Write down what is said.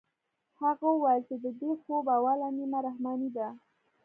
هغه وويل چې د دې خوب اوله نيمه رحماني ده.